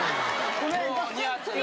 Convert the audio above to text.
ごめん。